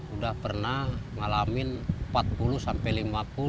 udah pernah ngalamin empat puluh sampai lima puluh